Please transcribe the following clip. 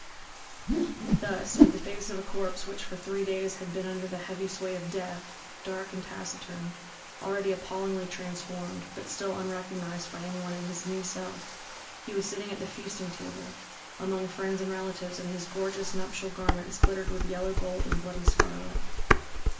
Thus, with the face of a corpse which for three days had been under the heavy sway of death, dark and taciturn, already appallingly transformed, but still unrecognized by anyone in his new self, he was sitting at the feasting table, among friends and relatives, and his gorgeous nuptial garments glittered with yellow gold and bloody scarlet.